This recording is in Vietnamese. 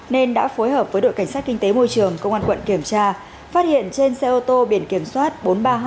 nên đã phối hợp với đội cảnh sát kinh tế môi trường công an quận kiểm tra phát hiện trên xe ô tô biển kiểm soát bốn mươi ba h một mươi sáu